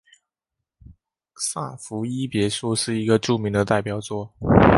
萨伏伊别墅是一个著名的代表作。